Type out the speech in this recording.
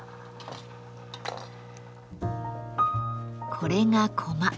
これがコマ。